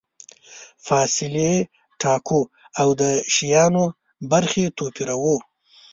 فاصلې ټاکو او د شیانو برخې توپیروو.